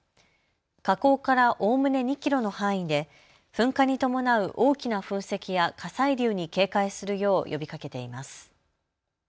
火口からおおむね２キロの範囲で噴火に伴う大きな噴石や火砕流に警戒するよう呼びかけています。